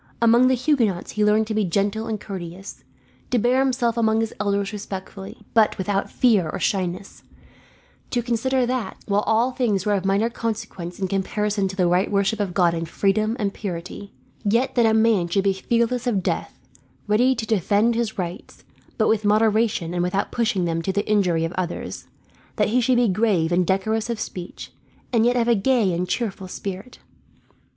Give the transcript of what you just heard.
Among the Huguenots he learned to be gentle and courteous; to bear himself among his elders respectfully, but without fear or shyness; to consider that, while all things were of minor consequence in comparison to the right to worship God in freedom and purity, yet that a man should be fearless of death, ready to defend his rights, but with moderation and without pushing them to the injury of others; that he should be grave and decorous of speech, and yet of a gay and cheerful spirit.